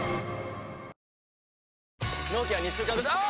納期は２週間後あぁ！！